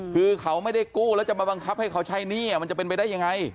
คือเขาไม่ได้กู้แล้วจะมาบังคับให้เขาใช้หนี้มันจะเป็นไปได้ยังไง